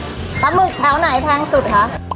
ปลาหมึกแถวไหนแพงสุดคะ